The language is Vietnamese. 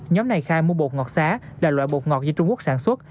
nhóm này khai mua bột ngọt xá là loại bột ngọt do trung quốc sản xuất